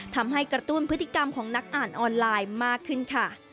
ทำให้กระตุ้นพฤติกรรมของนักอ่านออนไลน์มากขึ้นค่ะ